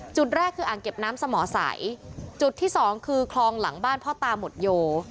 จุดแรกคืออ่างเก็บน้ำสมอสัยจุดที่สองคือคลองหลังบ้านพ่อตาหมดโย